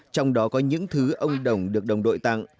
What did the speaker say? trong đó có những thứ ông đồng được đồng đội tặng